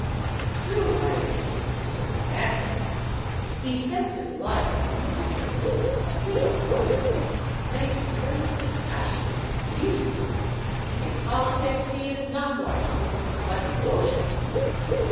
The true Irishman is a romantic. He senses life as a mystery, a thing of wonder, an experience of passion and beauty. In politics he is not logical, but emotional.